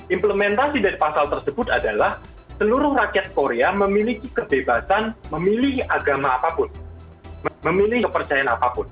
implementasi dari pasal tersebut adalah seluruh rakyat korea memiliki kebebasan memilih agama apapun memilih kepercayaan apapun